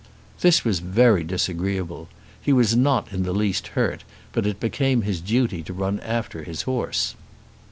This was very disagreeable. He was not in the least hurt, but it became his duty to run after his horse.